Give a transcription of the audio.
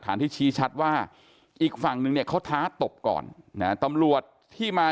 ที่ชี้ชัดว่าอีกฝั่งนึงเนี่ยเขาท้าตบก่อนนะตำรวจที่มา